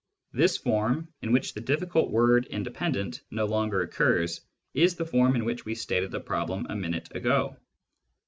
This form, in which the difficult word " independent " no longer occurs, is the form in which we stated the problem a minute ago.